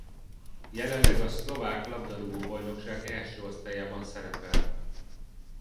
Jelenleg a szlovák labdarúgó-bajnokság első osztályában szerepel.